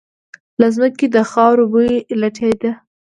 له ځمکې د خاورو بوی لټېده.